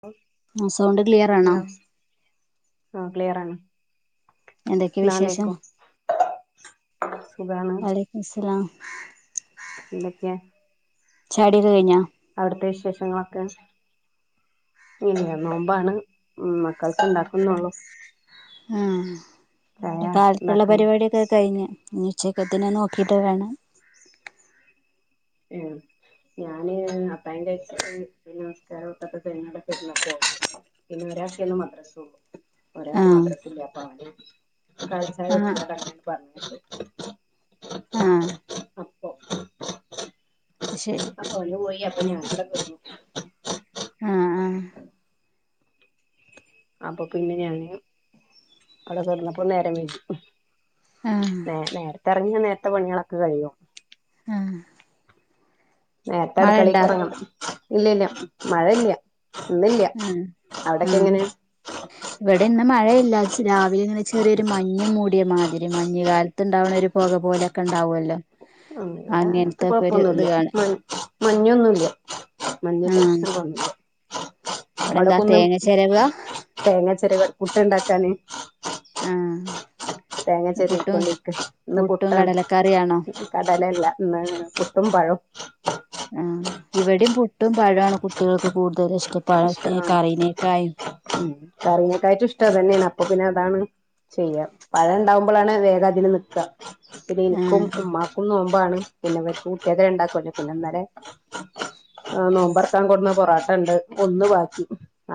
ഹ ആ sound clear ആണോ hello ആ ക്ലിയർ ആണ് എന്തൊക്കെയ വിശേഷം സുഖാണ് വാലൈ മുസ്സലാം എന്തൊക്കെയ ചായടി ഒക്കെ കഴിഞ്ഞോ അവിടുത്തെ വിശേഷങ്ങളൊക്കെ ഇല്ല നോമ്പാണ് മക്കൾക്ക് ഉണ്ടാക്കുന്നൊള്ളു ഏഹ് ചായ ഇവിടെ കാലത്തുള്ള ഉണ്ടാക്കാൻ പരിപാടിയൊക്കെ കഴിഞ്ഞു ഇഞ് ഉച്ചക്കത്തിന് നോക്കീറ്റ് വേണം ഏഹ് ഞാന് അത്തായം കഴിച്ചിട്ട് നിസ്ക്കാരം ഓത്തൊക്കെ കഴിഞ് അവിടെ കെടന്നക്ക പിന്നെ ഒരാക്കെ ഇന്ന് മദ്രസൊള്ളു ആ ഒരാക്ക് മദ്രസില്ല ഇല്ലാ അപ്പങ്ങനെ കാലി ചായ ആ കൊടുത്ത്ങ്ങാണ്ട് അങ്ങനേണ് പറഞ്ഞയച്ചു ആഹ് അപ്പൊ അത് ശെരി ഓനും പോയി അപ്പൊ ഞാനവിടെ കെടന്നു. ആഹ് ആഹ് അപ്പൊ പിന്നെ ഞാന് അവിടെ കെടന്നപ്പളും നേരം വെയ്കി ആ നേ നേരത്തെ എറങ്ങി നേരത്തെ പണിയാളൊക്കെ കഴിയും ആഹ് നേർത്തെ അടുകളീക്ക് എറങ്ങണം ഇല്ല ഇല്ല മഴല്ല ഇന്നില്ല ആ അവിടൊക്കെ ആ എങ്ങനെ ഇവിടെ ഇന്ന് മഴയില്ല ചെ രാവിലെ ഇങ്ങനെ ചെറിയൊരു മഞ് മൂടിയ മാതിരി മഞ്ഞുകാല ത്ത്ണ്ടാവണെ ഒരു പൊക പോലെക്കെ ഇണ്ടാവുമല്ലോ ഉം ഇവിടെ അങ്ങത്തെ കൊഴപ്പൊന്നുല്ല കാണും മ മഞ്ഞൊന്നുല്ല മഞ്ഞിന്റെ ആ പ്രശ്നങ്ങളൊന്നുല്ല അവിടെ എന്താ അവിടെക്കൊന്ന് തേങ്ങ ചെരവ തേങ്ങാ ചെരകൽ പുട്ട് ഇണ്ടാക്കാന് ആഹ് തേങ്ങാ ചെരകിക്കൊണ്ടിരിക്ക് ഇന്ന് പുട്ടാണ്. കടലക്കറിയാണോ കടലല്ല ഇന്ന് പുട്ടും പഴേം. ആഹ്, ഇവടിം പുട്ടും പഴാണ് കുട്ട്യാൾക്ക് കൂട്തല്ഷ്ടം പഴത്തി ഇഷ്ടം ആഹ് കറീനെക്കായിം. ഉം, കറിനെക്കായിറ്റു ഇഷ്ടം അത് തന്നെണ് അപ്പൊ പിന്നെ അതാണ് ചെയ്യാം പഴണ്ടാവുമ്പളാണ് വേഗം അതിന് ന്ന്ക്കാ പിന്നെ ഇൻക്കും ആഹ് ഉമ്മാ ക്കും നോമ്പാണ് പിന്നെ വര്ക്ക് കുട്ട്യേക്ക് രണ്ടാക്കുല്ലേ പിന്നെ ന്നലെ ആ നോമ്പർക്കാം കൊട്ന്ന പൊറാട്ടണ്ട്. ഒന്ന് ബാക്കി,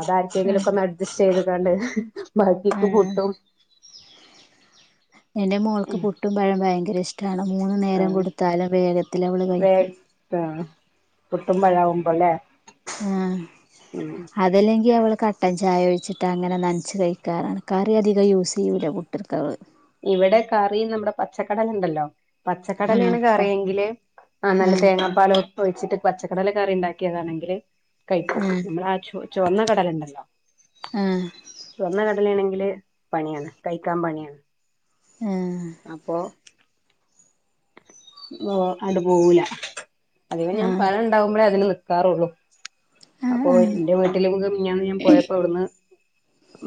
അതാര്ക്കെങ്കിലൊക്ക ആഹ് ഒന്ന് അഡ്ജസ്റ്റ് ചെയ്ത്ങ്ങാണ്ട് ബാക്കിക്ക് ആഹ് പുട്ടും എന്റെ മോൾക്ക് പുട്ടും പഴം ഭയങ്കര ഇഷ് ട്ടാണ് മൂന്ന് നേരം കൊടുത്താലും വേഗത്തിലവള് വേ കയ്ക്കും. ആഹ് പുട്ടും പഴാവുംമ്പലെ. ആഹ്. അതല്ലെങ്കി അവള് കട്ടൻ ചായ ഒയ്ച്ചിട്ട് അങ്ങനെ ന്നൻച്ച് കയ്ക്കാറാണ് കറി അധികം യൂസിയ്യൂലാ പു [unintelligible] ഇവടെ കറി ന്നമ്മടേ പച്ചക്കടലണ്ടല്ലോ. ആഹ് പച്ചക്കടലേണ് പ കറിയെങ്കില് ആഹ് നല്ല തേങ്ങാപ്പാല് ഒ ഒഴിച്ചിട്ട് പച്ചക്കടല കറി ണ്ടാക്കിയതാണെങ്കില് കയ് ഉം. ന്നമ്മള ആ ചു ചുവന്ന കടലണ്ടല്ലോ? ആഹ്. ചുവന്ന കടലേണെങ്കില് പണിയാണ് കയ്ക്കാം പണിയാണ്. ഏഹ്. അപ്പൊ ഓഹ് അട് പോവൂല അതേമാരി ഞാം ആഹ് പഴണ്ടാവുംമ്പളെ അതിന് ന്ന്ക്കാറൊള്ളു. ആഹ് അപ്പൊ ആഹ് ന്റെ വീട്ടില് മിഞാന്ന് ഞാൻ പോയപ്പോ ഇവ്ട്ന്ന്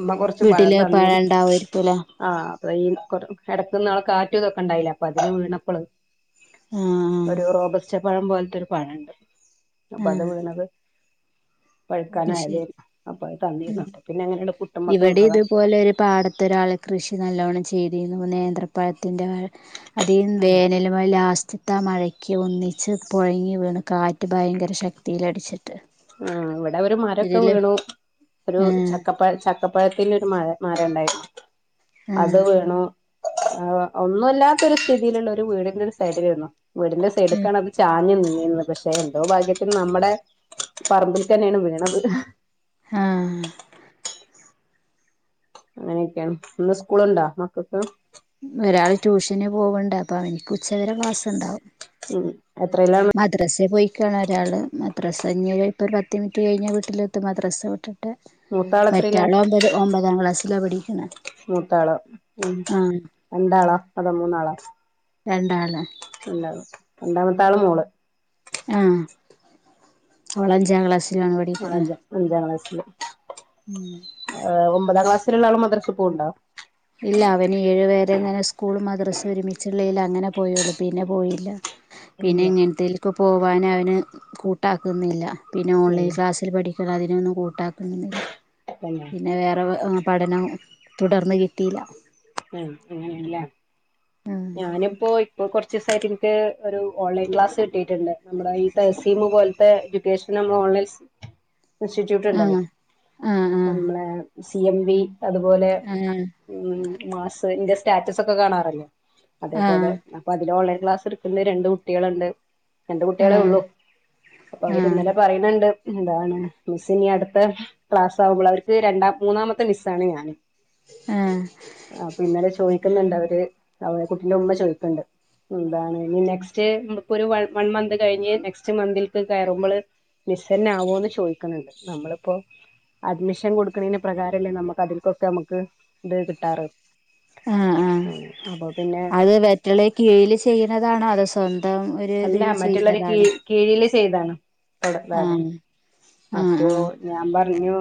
മ്മ കൊർച്ച് പഴം വീട്ടില് തന്നീന്നു. ഉണ്ടാവുമായിരിക്കുംല്ലേ ആഹ് അപ്പ ഈ എടക്ക്ന്നാള് കാറ്റും ഇതൊക്കണ്ടായിലെ അപ്പൊ അതിന് വീണപ്പള് ആഹ് ഒരു റോബസ്റ്റ് പഴം പോൽത്തെരു പഴണ്ട് അപ്പൊ അത് ആഹ് വീണത് അത് ശരി, പഴുക്കാനായതേരുന്നു അപ്പൊ അത് തന്നിരുന്നു അപ്പൊ പിന്നെ അങ്ങനെണ്ട് പുട്ടുമ്മക്ക് ഇവടി നിന്നതാ ഇതുപോലെ ഒരു പാടത്തൊരാള് കൃഷി ന്നല്ലോണം ചെയ്തീന്നു നേന്ത്രപ്പഴത്തിന്റെ വാഴ [unintelligible] ഉം വേനലും ലാസ്റ്റ്ത്താ ആഹ് മഴയ്ക്ക് ഒന്നിച്ച് പോഴങ്ങി വീണ് കാറ്റ് ഭയങ്കര ശക്തീലടിച്ചിട്ട്. ആഹ് ഇവടെ ഒരു മരക്കെ വീണു ഒരു ആഹ് ചക്കപ്പയ ച ചക്കപ്പഴത്തിന്റെ ഒരു മഴ മരണ്ടായ്ര്ന്നു അത് ആഹ് വീണു. ആഹ് ഒന്നുല്ലാത്ത ഒരു സ്ഥിതീല്ള്ള ഒരു വീടിന്റെ ഒരു സൈഡിലെര്ന്നു വീടിന്റെ സൈഡ്ക്കാണത് ചാഞ് ന്ന്ന്നീന്ന് പക്ഷെ എന്തോ ഭാഗ്യത്തിന് ന്നമ്മടെ പറമ്പിൽക്കന്നേണ് വീണത്. ആഹ്. അങ്ങനെക്കേണ് ന്ന് സ്കൂള്ണ്ടോ മക്കക്ക്? ഒരാള് ട്യൂഷന് പോവ്ണ്ട് അപ്പൊ അവൻക്ക് ഉച്ചവരെ ക്ലാസ്സ്ണ്ടാവും. ഉം എത്രീലാണ്. മദ്രസേ പോയിക്കാണ് ഒരാള് മദ്രസ ഇഞ്ഞി ഇപ്പോ ഒരു പത്തിൻറ്റ് കയ്ഞ്ഞാ വീട്ടിലെത്തും മദ്രസ വ്ട്ട് മൂത്താള് എത്രയിലാ മറ്റാള് ഒമ്പത് ഒമ്പതാം ക്ലാസ്സ്ലാ പഠിക്ക്ണ്. മൂത്താളോ ഉം രണ്ടാളാ അതോ മൂന്നാളാ? രണ്ടാള്. രണ്ടാള് രണ്ടാമത്താള് മോള്. ആഹ് അവളഞ്ചാം ക്ലാസ് ആഹ് അഞ്ച അഞ്ചാം ക്ലാസില്. ഉം. ഏഹ് ഒമ്പതാം ക്ലാസ്സില്ള്ള ആള് മദ്രസ്സ് പോവ്ണ്ടോ? ഇല്ല അവന് ഏഴു വെരെ ഇങ്ങനെ സ്കൂളും മദ്രസും ഒരുമിച്ച്ള്ളേല് അങ്ങനെ പോയുള്ളൂ. പിന്നെ പോയില്ല. പിന്നെ ഇല്ല ഇങ്ങൻത്തേലൊക്കെ പോവാൻ അവന് കൂട്ടാക്ക്ന്നില്ല. പിന്നെ ഉം ഓൺലൈൻ ക്ലാ സിൽ പഠിക്കണം അതിനൊന്നും കൂട്ടാക്കുന്നൊന്നില്ല. തന്നെ. പിന്നെ വേറെ ആഹ് പഠനം തുടർന്ന് കിട്ടീല്ല. ഏഹ് അങ്ങനേണ് ല്ലെ. ആ ഞാനിപ്പോ ഇപ്പോ കൊർ ച്ചീസായിട്ട് ഇൻക്ക് ഒരു ഓൺലൈൻ ക്ലാസ് കിട്ടീട്ട്ണ്ട്. നമ്മടെ ഈ തെഹ്സീം പോലത്തെ എഡ്യൂക്കേഷന് നമ്മൾ ഓൺലൈൻ [inaudible] ഇൻസ്റ്റിറ്റ്യൂട്ട് ആ ണ്ടല്ലോ ആ ആ നമ്മളെ സി എം വി അതുപോലെ ആ ഉം മാസ് ഇന്റെ സ്റ്റാറ്റസ് ഒക്കെ കാണാറ്ല്ലേ ആ അതേപോലെ അപ്പ അതില് ഓൺലൈൻ ക്ലാസ് ഇട്ക്കുന്ന്. രണ്ട് കുട്ട്യേള്ണ്ട്. രണ്ട് കുട്ട്യേളെ ഉള്ളു. അപ്പൊ ആ അവര് ഇന്നലെ പറയ്ണ് ണ്ട്. എന്താണ് മിസ് ഇനി അടുത്ത ക്ലാസ് ആകുമ്പള് അവർക്ക് രണ്ടാം മൂന്നാമത്തെ മിസ്സാണ് ഞാൻ. ഏഹ്. അപ്പൊ ഇന്നലെ ചോയിക്ക്ന്ന്ണ്ട് അവര് അവരെ കുട്ടിന്റെ ഉമ്മ ചോയിക്ക്ണ്ട്. എന്താണ് ഇനി നെക്സ്റ്റ് നമുക്ക് ഒരു വ വൺ മന്ത് കഴിഞ്ഞ് നെക്സ്റ്റ് മന്തിൽക്ക് കയറുമ്പള് മിസ്സെന്നെ ആവോന്ന് ചോയിക്ക് ണ് ണ്ട്. നമ്മളിപ്പോ അഡ്മിഷൻ കൊടുക്ക്ണേന് പ്രകാരല്ലേ നമുക്ക് അതിൽക്കൊക്കെ നമുക്ക് ഇത് കിട്ടാറ്. ആഹ് ആഹ്. അപ്പൊ പിന്നെ അത് വറ്റുള്ള കീഴിൽ ചെയ്യണതാണോ അതോ സ്വന്തം ഒരു അല്ല ഇതിൽ മറ്റുള്ളവര് കീ ചെയ്യ്ണതാണ്. കീഴില് ചെയ്താണ്. [unintelligible] ആ അപ്പോ ആ ഞാൻ പറഞ്ഞു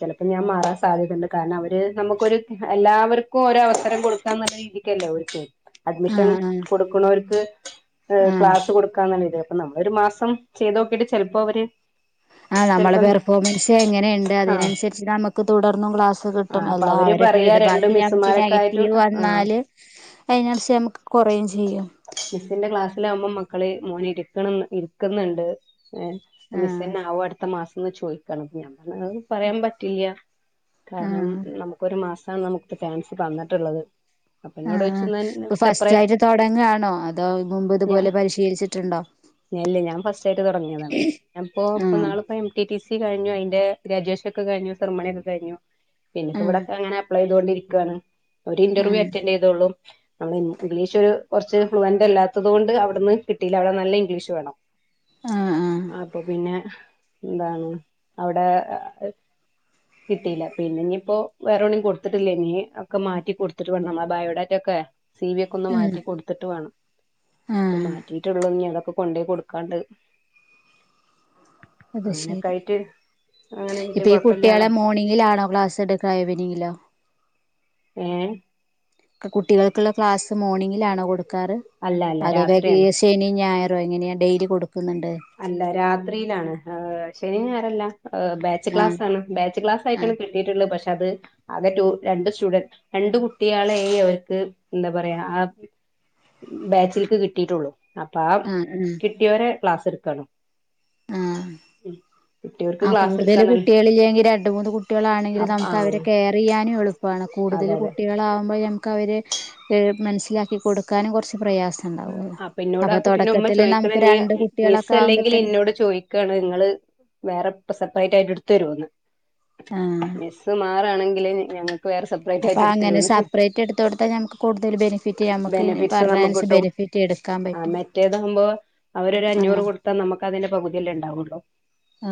ചിലപ്പം ഞാൻ മാറാൻ സാധ്യതണ്ട് കാരണം അവര് നമുക്കൊരു എല്ലാവർ ക്കും ഓരോ അവസരം കൊടുക്കാന്നുള്ള രീതിക്കല്ലേ ഓര്ക്ക് അഡ്മിഷൻ ആഹ് കൊടുക്ക്ണോര്ക്ക് ആഹ് ആഹ് ക്ലാസ് കൊടുക്കാന്ന്ള്ള രീതീല്. അപ്പം നമ്മളൊരു മാസം ചെയ്തോക്കിട്ട് ചെൽപ്പൊ അവര് ആഹ്. നമ്മളെ ചിലപ്പം പെർഫോമൻസ് എങ്ങനെ ഇണ്ട് ആഹ് അതിനനുസരിച്ച് നമുക്ക് തുടർന്നും ക്ലാസ് ക്കെ കിട്ടും. ആഹ് അപ്പൊ അല്ലാ അവര് അവരെ പറയാ രണ്ട് ഫീഡ്ബാക്കി നമുക്ക് മിസ്സുമാരൊക്കെ ആയിട്ട് നെഗറ്റീവ് ആഹ് വന്നാല് അപ്പയ്നനുസര്ച്ച് നമുക്ക് കൊറയും ചെയ്യും. മിസ്സിന്റെ ക്ലാസ്സിലാകുമ്പം മക്കള് മോന് ഇരിക്ണ് ഇരിക്ക്ന്ന്ണ്ട്. ഏഹ്. അപ്പം ആഹ് മിസ്സെന്നാവോ അടുത്ത മാസംന്ന് ചോയി ക്കാണ്. അപ്പം ഞാൻ പർഞ്ഞ് അത് പറയാൻ പറ്റില്ല കാരണം ആഹ് നമുക്കൊരു മാസാണ് നമുക്ക് ചാൻസ് തന്നിട്ടുള്ളത്. അപ്പൊ ന്നോട്ട് ചോയിച്ചു ന്നാ സെപ്പറേ തൊടങ്ങാണോ അതോ മുമ്പ് ഇതുപോലെ പരിശീലിച്ചിട്ട്ണ്ടോ? ഞ ഇല്ല ഞാൻ ഫസ്റ്റായിട്ട് തുടങ്ങിയതാണ്. ഞാൻ പ്പൊ ആഹ് ഇപ്പന്നാള് എം ടി ടി സി കഴിഞ്ഞു അയ്ന്റെ ഗ്രാജുവേഷൻ ഒക്കെ കഴിഞ്ഞു സെർമണിയൊക്കെ കഴിഞ്ഞു. പിന്നെപ്പ ആഹ് ഇവിടെക്ക അങ്ങനെ അപ്ലൈ ചെയ്തോണ്ടിരിക്കാണ്. ഒരു ഇൻ്റർവ്യൂ ആഹ് അറ്റൻഡെയ് തൊള്ളൂ. നമ്മളെ ഇൻ ഗ്ലീഷ് ഒരു കൊർച്ച് ഫ്ലുവന്റല്ലാ ത്തത് കൊണ്ട് അവിടുന്ന് കിട്ടീല്ല. അവിടെ നല്ല ഇംഗ്ലീഷ് വേണം. ആഹ് ആഹ് അപ്പൊ പിന്നെ, എന്താണ് അവ്ടെ കിട്ടീല്ല. പിന്നെഞ്ഞ്പ്പോ വേറെ എവ്ണിം കൊട്ത്തിട്ടില്ല. ഇനി ഒക്കെ മാറ്റി കൊടുത്തിട്ട് വേണം നമ്മളെ ബയോഡാറ്റൊക്കെ. സി വി ഒക്കൊന്ന് ആഹ് മാറ്റി കൊടുത്തിട്ട് വേണം. ഇപ്പം ആഹ് മാറ്റിയിട്ടൊള്ളൂ ഇഞ്ഞ് അതൊക്കെ കൊണ്ടേയ് കൊടുക്കാണ്ട്. അത് അങ്ങനെയൊക്കെ ശെരി ആയിട്ട് അങ്ങനെ വല്യ ഇപ്പൊ ഈ കുഴപ്പമില്ലാതെ കുട്ടികളെ മോർണിങ്ങിലാണോ ക്ലാസ്സ് എടുക്ക ഇവെനിംഗിലോ ഏ കുട്ടികൾക്കുള്ള ക്ലാസ് മോർണിങ്ങിലാണോ കൊടുക്കാറ് അല്ല അല്ല അതോ രാത്രിയാണ് ശനി ഞായറും എങ്ങനെയ ഡെയിലി കൊടുക്കുന്നുണ്ട് അല്ല രാത്രിയിലാണ് ശനി ഞായർ അല്ല ബാച്ച് ആഹ് ക്ലാസ്സണ് ബാച്ച് ക്ലാസ് ആഹ് ആയിട്ടാണ് കിട്ടിട്ടുള്ളത് പക്ഷേ അത് അകെ രണ്ട് സ്റ്റുഡന്റ് രണ്ട് കുട്ടികളായി അവർക്ക് എന്താ പറയാ ആ ബാച്ചിൽക്ക് കിട്ടിയിട്ടുള്ളൂ അപ്പൊ ആ ആഹ് ആഹ് കിട്ടിയവരെ ക്ലാസ് എടുക്കാണ് കുട്ടികൾക്ക് ആ ക്ലാസ് കൂടുതൽ എടുക്കാന്നല്ല കുട്ടികൾ ഇല്ലെങ്കിൽ രണ്ട് മൂന്ന് കുട്ടികളാണെങ്കിൽ അപ്പ നമുക്ക് അവരെ ആഹ് കെയർ ചെയ്യാനും എളുപ്പാ എളുപ്പാണ് കൂടുതൽ അതെ അതെ കുട്ടികളകുമ്പോൾ നമുക്ക് അവരെ മനസ്സിലാക്കി കൊടുക്കാനും കുറച്ച് പ്രയാസം ഉണ്ടാവുമല്ലോ അപ്പ ഇന്നോട് ആ അപ്പൊ കുട്ടീന്റെ ഉമ്മ തുടക്കത്തില് ചോദിക്കണ നമുക്ക് നീ രണ്ട് മിസ് കുട്ടികളൊക്കെ അല്ലെങ്കിൽ ആകുമ്പോത്തന്നെ എന്നോട് ചോയ്ക്ക ആണ് നിങ്ങള് വേറെ സെപ്പറേറ്റ് ആയിട്ട് എടുത്ത്‌ തരുവോന്ന് ആഹ് മിസ്സ് മാറാണെങ്കില് ഞങ്ങക്ക് വേറെ സെപ്പറേറ്റ് അപ്പൊ ആയിട്ട് എടുത്ത് അങ്ങനെ തരോന്ന് ചോദി സെപ്പറേറ്റ് എടുത്ത് കൊടുത്താ ഞമുക്ക് കൂടുതൽ ബെനിഫിറ്റ് നമുക്ക് ബെനിഫിറ്റ്സ് പറഞ്ഞ നമുക്ക് അനുസരിച് ആ മറ്റേത് ആകുമ്പോ അവര് ഒരു അഞ്ഞൂറ് ആഹ് കൊടുക്കും കൊടുത്താ നമുക്കതിന്റെ പകുതി അല്ലേ ഉണ്ടാവുള്ളൂ ആ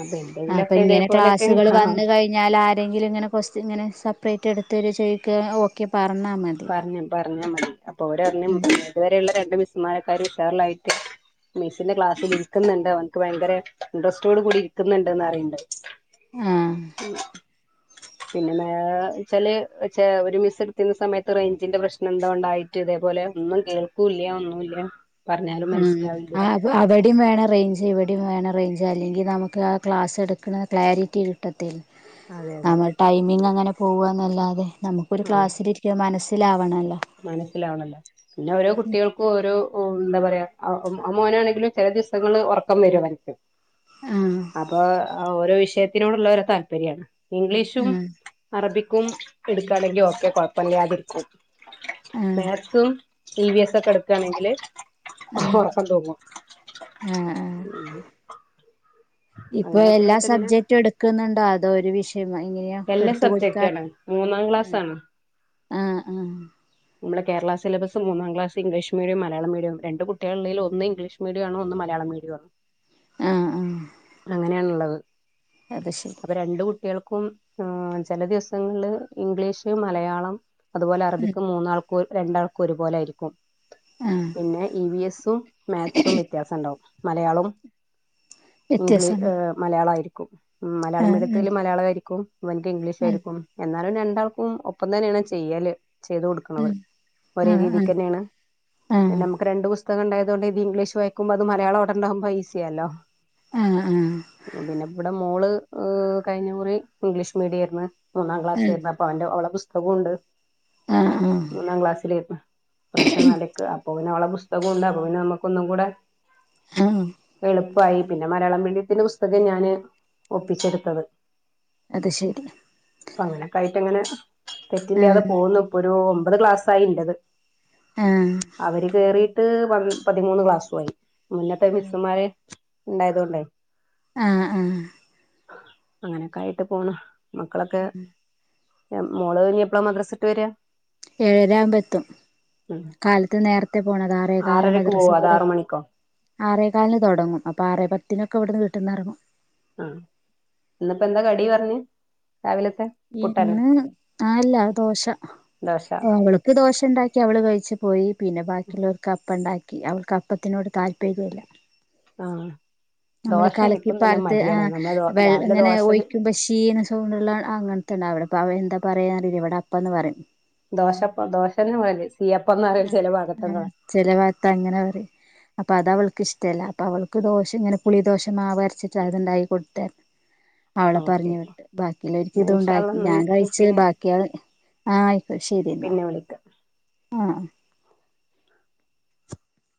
അപ്പൊ അപ്പൊ എന്തെങ്കിലുമൊക്കെ ഇങ്ങനെ ഇതേപോലെയൊക്കെ ക്ലാസ്സുകൾ ആഹ് വന്ന് കഴിഞ്ഞ കഴിഞ്ഞാൽ ആരെങ്കിലും ഇങ്ങനെ കുറച്ച് ഇങ്ങനെ സെപ്പറേറ്റ് എടുത്ത് തരോ എന്ന് ചോദിച്ചാൽ ഓക്കെ പറഞ്ഞാൽ മതി. പറഞ്ഞ് പറഞ്ഞ മതി അപ്പൊ ഓര് പറഞ്ഞു ഉം ഇതുവരെയുള്ള രണ്ട് മിസ്മാരെകാളും ഉഷാറായിട്ട് മിസിന്റെ ക്ലാസ്സിൽ ഇരിക്കുന്നുണ്ട് അവനക്ക് ഭയങ്കര ഇൻട്രസ്റ്റോട് കൂടി ഇരിക്കുന്നുണ്ട്ന്ന് പറയ്ണ്ട് ആഹ് പിന്നെന്താച്ചാല് ഒരു മിസ് എടുക്കുന്ന സമയത്ത് റേഞ്ചിന്റെ പ്രശ്നം എന്താ ഉണ്ടായിട്ട് ഇതേപോലെ ഒന്നും കേൾക്കൂല്ല ഒന്നുംല്ല ഉം ആഹ് അവിടെയും വേണം റേഞ്ച് ഇവിടെയും വേണം റേഞ്ച് അല്ലെങ്കിൽ നമുക്ക് ആ ക്ലാസ് എടുക്കുന്ന ക്ലാരിറ്റി അതെ അതെ നമ്മൾ ടൈമിംഗ അങ്ങനെ പോവാ ന്നല്ലാതെ നമുക്കൊരു ഉം ക്ലാസ്സിൽ അത് മനസ്സിലാവണല്ലോ മനസ്സിലാവണല്ലോ പിന്നെ ഓരോ കുട്ടികൾക്കും ഓരോ എന്താ പറയാ ആ മോനാണെങ്കിലും ചില ദിവസങ്ങൾ ഉറക്കം വരും അവന്ക്‌ [inaudible] ആഹ് അപ്പൊ ഓരോ വിഷയത്തിനോടുള്ള ഓരോ താല്പര്യമാണ് ഇംഗ്ലീഷും ആഹ് അറബിക്കും എടുക്കുകയാണെങ്കിലും ഒക്കെ കുഴപ്പമില്ലാതിരിക്കും ആഹ് മാത്‍സ് ഉം ഇ വി എസ് ഒക്കെ എടുക്കയാണെങ്കില് ആഹ് ഉറക്കം തൂങ്ങും ആഹ് ആഹ് ഇപ്പൊ അങ്ങനെയൊക്കെ എല്ലാ ആയിട്ട് ഇങ്ങനെ സബ്ജക്ടും എടുക്കുന്നുണ്ടോ അതോ ഒരു വിഷയം എങ്ങനെയാ എല്ലാ എടുത്ത് സബ്ജക്റ്റ് കൊൊടുക്കാ ആണ് മൂന്നാം ക്ലാസ് ആണ് ആഹ് ആ നമ്മുടെ കേരള സിലബസ് മൂന്നാം ക്ലാസ് ഇംഗ്ലീഷ് മീഡിയ മലയാള മീഡിയ രണ്ട് കുട്ടികളള്ളിൽ ഒന്ന് ഇംഗ്ലീഷ് മീഡിയാണ് ഒന്ന് മലയാള മീഡിയ ആണ് ആ ആ അങ്ങനെയണുള്ളത് ശരി അപ്പൊ രണ്ട് കുട്ടികൾ ഇനിക്കും ചില ദിവസങ്ങളിൽ ഇംഗ്ലീഷ് മലയാളം അതുപോലെ ഉം അറബിക്കും മൂന്നാൾക്കും രണ്ടാൾക്കും ഒരുപോലെ ആയിരിക്കും ആ പിന്നെ ഇ വി എസും മാത്‌സും വ്യത്യാസം ണ്ടാവും മലയാളവും ഇംഗ്ലീ വ്യത്യാസണ്ട് ഏ മലയാളയിരിക്കും മലയാളം ആഹ് ആഹ് മീഡിയത്തിൽ മലയാളയിരിക്കും ഇവന്ക്ക് ആഹ് ഇംഗ്ലീഷായിരിക്കും എന്നാലും രണ്ടാൾക്കും ഒപ്പം തന്നെയാണ് ചെയ്യാല് ചെയ്ത് കൊടുക്ക ക്ക്ണത് ഉം ഒരേ ആഹ് ആഹ് രീതിക്ക് തന്നേണ് ആഹ് നമക്ക് രണ്ട് പുസ്ത- പുസ്തകം ണ്ടായതൊണ്ട് ഇത് ഇംഗ്ലീഷ് വായിക്കുമ്പോ അത് മലയാളം ണ്ടാവുമ്പോൾ ഈസി അലോ ആ അ പിന്നെ വ്ടെ മോള് കഴിഞ്ഞ കുറി ഇംഗ്ലീഷ് മീഡിയം ആയിര്ന്ന് മൂന്നാം ക്ലാസ് ആയിര്ന്ന് പ്പം അവന്റെ അവള്ടെ പുസ്തകുണ്ട് അ ആ ഒന്നാം ക്ലാസിൽ ഇപ്രാവശ്യം നാല്ക്ക് അപ്പൊ പിന്നെ അവള്ടെ പുസ്തകുണ്ട് അപ്പൊ പിന്നെ നമുക്കൊന്നും കൂടെ ഹം എളുപ്പമായി പിന്നെ മലയാളം മീഡിയത്തിന്റെ പുസ്തകം ഞാൻ ഒപ്പിച്ചെട്‌ത്തത് അത് ശരി അപ്പ അങ്ങനെയൊക്കെ ആയിട്ട് അങ്ങനെ തെറ്റില്ലാതെ ആഹ് പോകുന്നു ഇപ്പൊ ഒരു ഒമ്പത് ക്ലാസ്സായി ഇൻ്റേത് ആ അവര് കേറീട്ട് പ പതിമൂന്ന് ക്ലാസുമായി മുന്നത്തെ മിസ്സുമാര് ണ്ടായതൊണ്ടേ ആ അ അങ്ങനെ ഒക്കായിട്ട് പോണ് മക്കളൊക്കെ മോള് ഇനി എപ്പളാ മദ്രസ വിട്ട് വരാ ഏഴര ആവുമ്പോ എത്തും ഉം കാലത്ത് നേരത്തെ പോണത ആറേ കാലന് ആറരക്ക് മദ്രസ പോവും അത് പോ ആറ് മണിക്കോ ആറേക്കാലിന് തൊടങ്ങും അപ്പൊ ആറേ പത്തിനൊക്കെവ്ട്‌ന്ന് വീട്ട്ന്ന് എറ്ങ്ങും ആ ന്നിപ്പോ ന്താ കടി പറഞ്ഞെ രാവിലത്തെ പുട്ടന്നെ ഇന്ന് ആല്ല ദോശ ദോശ [unintelligible] ക്ക് ദോശ ണ്ടാക്കി അവള് കഴിച്ച് പോയി പിന്നെ ബാക്കിയുള്ളവർക്ക് അപ്പ ണ്ടാക്കി അവൾക്ക് അപ്പത്തിനോട് താല്പര്യല്ല ആ നമ്മൾ കലക്കി പാർത്ത് ആ നമ്മള് വെ രാവിലെ ഇങ്ങനെ ദോശ ഒഴിക്കുമ്പോ ശീ ന് സൗണ്ട് ചൂട്‌ള്ള അങ്ങന്ത്തെ ണ്ടാവില്ലേ അവിടെ ന്താ പറയാനറിയില്ല ഇവിടെ അപ്പന്ന് പറയും ദോശപ്പം ദോശൻ്റെ വല്യ ശീയഅപ്പം ന്ന് ചിലഭാഗത്ത് അങ്ങനെ പറയും അപ്പൊ അത് അവൾക്ക് ഇഷ്ടമല്ല അപ്പൊ അത് അവൾക്ക് അത് ഇഷ്ട്ടല്ല അവൾക്ക് ദോശ ങ്ങനെ പുളിദോശ മാവ് അരച്ചിട്ട് അതുണ്ടാക്കി കൊടുത്ത് അവളെ ഓക്കെ പറഞ്ഞ് വിട്ട് ബാക്കിയുള്ളവർക്ക് ന്നാ ഇത് ഇൻഷാ അള്ളാ ണ്ടാക്കി ഞാൻ ന്ന് കഴിച്ച ബാക്കിയ ആയിക്കോ ശരി ന്നാ പിന്നെ വിളിക്കാം ആ